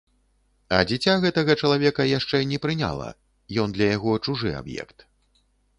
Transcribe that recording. А дзіця гэтага чалавека яшчэ не прыняла, ён для яго чужы аб'ект.